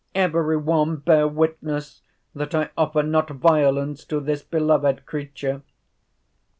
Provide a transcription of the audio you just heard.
—Every one bear witness, that I offer not violence to this beloved creature!